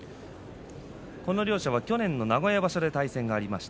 この両者、去年名古屋場所で対戦がありました。